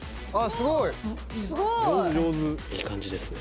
すごい！いい感じですね。